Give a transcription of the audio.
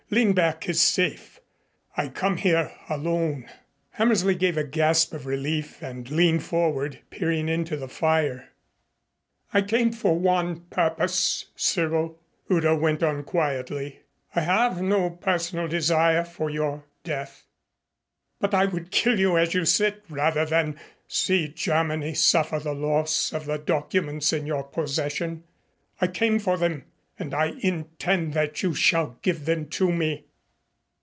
Lindberg is safe. I have come here alone " Hammersley gave a gasp of relief and leaned forward, peering into the fire. "I came for one purpose, Cyril," Udo went on quietly. "I have no personal desire for your death, but I would kill you as you sit rather than see Germany suffer the loss of the documents in your possession. I came for them and I intend that you shall give them to me."